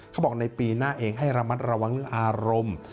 เขาบอกในปีหน้าเองให้ระมัดระวังเรื่องอารมณ์